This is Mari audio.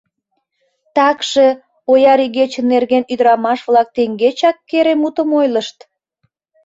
Такше, ояр игече нерген ӱдырамаш-влак теҥгечак кере мутым ойлышт.